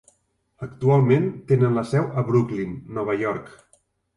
Actualment tenen la seu a Brooklyn, Nova York.